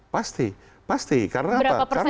pasti pasti karena apa